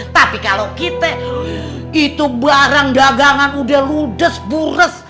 tapi kalau kita itu barang dagangan udah ludes bures